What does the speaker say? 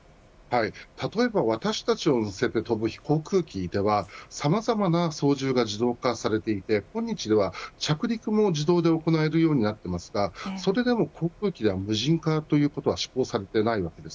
例えば私たちを乗せて飛ぶ航空機ではさまざまな操縦が自動化されていてこんにちでは、着陸も自動で行えるようになっていますがそれでも航空機は無人化ということは施行されていません。